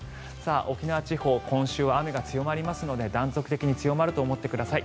沖縄地方今週は雨が強まりますので断続的に強まると思ってください。